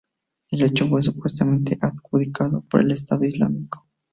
El hecho fue supuestamente adjudicado por el Estado Islámico.